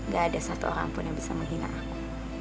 gak ada satu orang pun yang bisa menghina aku